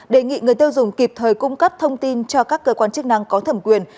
đề nghị người tiêu dùng kịp thời cung cấp thông tin cho các cơ quan chức năng có thẩm quyền